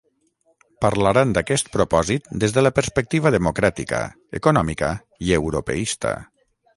Parlaran d’aquest propòsit des de la perspectiva democràtica, econòmica i europeista.